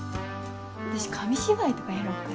私紙芝居とかやろうかな。